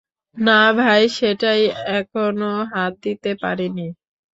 না ভাই, সেটাতে এখনো হাত দিতে পারি নি।